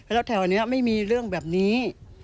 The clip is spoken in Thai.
แล้วแถวนี้ไม่มีเรื่องแบบนี้